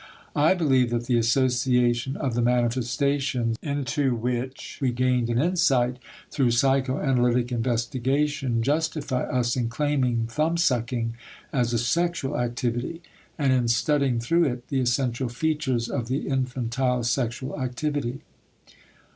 I believe that the association of the manifestations into which we gained an insight through psychoanalytic investigation justify us in claiming thumbsucking as a sexual activity and in studying through it the essential features of the infantile sexual activity.